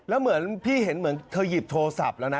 แล้วเหมือนพี่เห็นเหมือนเธอหยิบโทรศัพท์แล้วนะ